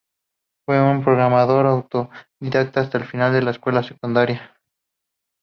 Fue un programador autodidacta hasta el final de la escuela secundaria.